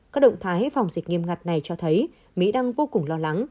các động thái phòng dịch nghiêm ngặt này cho thấy mỹ đang vô cùng lo lắng